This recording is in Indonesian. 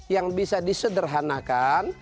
yang bisa disederhanakan